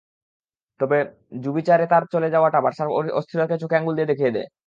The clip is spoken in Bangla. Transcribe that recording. তবে জুবিজারেতার চলে যাওয়াটা বার্সার অস্থিরতাকে চোখে আঙুল দিয়ে দেখিয়ে দেয়।